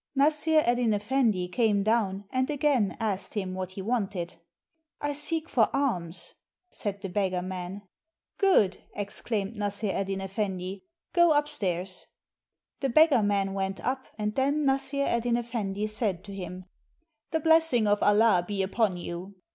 Nassr Eddyn Effendi came down, and again asked him what he wanted. " I seek for alms," said the beggar man. " Good !" exclaimed Nassr Eddyn Effendi. " Go up stairs." The beggar man went up, and then Nassr Eddyn Effendi said to him:' — "The blessing of Allah be upon you!"